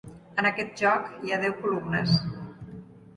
En aquest joc hi ha deu columnes.